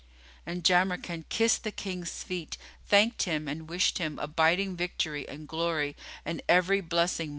And Jamrkan kissed the King's feet, thanked him and wished him abiding victory and glory and every blessing.